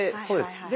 そうです。